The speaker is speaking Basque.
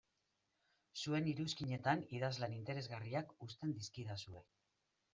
Zuen iruzkinetan idazlan interesgarriak uzten dizkidazue.